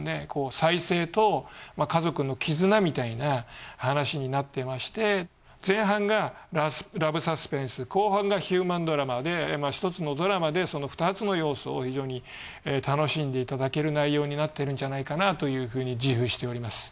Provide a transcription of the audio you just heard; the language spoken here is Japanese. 再生と家族の絆みたいな話になってまして前半がラブサスペンス後半がヒューマンドラマで１つのドラマで２つの要素を非常に楽しんでいただける内容になってるんじゃないかなというふうに自負しております。